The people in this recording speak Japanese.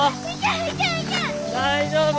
大丈夫。